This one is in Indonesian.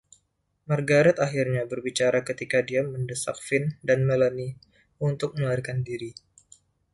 Margaret akhirnya berbicara ketika dia mendesak Finn dan Melanie untuk melarikan diri.